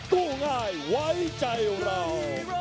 กู้ง่ายไว้ใจเรา